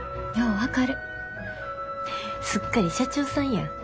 すっかり社長さんやん。